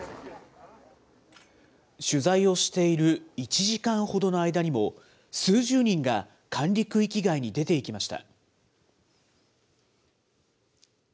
取材をしている１時間ほどの間にも、数十人が管理区域外に出ていきました。